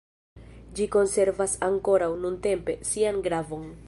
Ĝi konservas ankoraŭ, nuntempe, sian gravon.